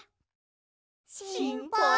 しんぱい。